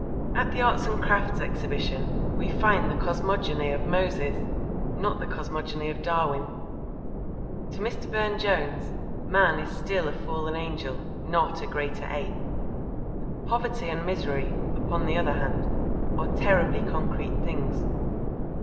At the Arts and Crafts Exhibition we find the cosmogony of Moses, not the cosmogony of Darwin. To Mr. Burne Jones Man is still a fallen angel, not a greater ape. Poverty and misery, upon the other hand, are terribly concrete things.